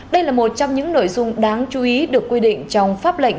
đây là một trong những nội dung đáng chú ý được quy định trong pháp lệnh